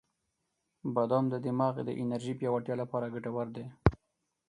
• بادام د دماغ د انرژی پیاوړتیا لپاره ګټور دی.